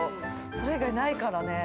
それ以外ないからね。